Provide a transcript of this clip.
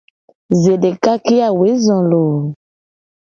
Zedeka ke a woe zo loo.